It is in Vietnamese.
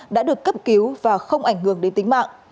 đã được cấp cứu và không ảnh hưởng đến tính mạng